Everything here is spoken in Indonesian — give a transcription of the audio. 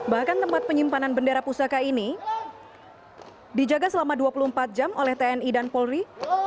bahkan tempat penyimpanan bendera pusaka ini dijaga selama dua puluh empat jam oleh tni dan polri